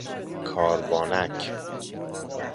کاروانک